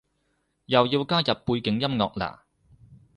又要加入背景音樂喇？